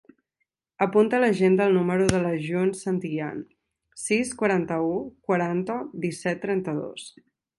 Apunta a l'agenda el número de la June Santillan: sis, quaranta-u, quaranta, disset, trenta-dos.